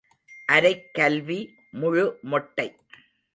அரைக் கல்வி முழு மொட்டை.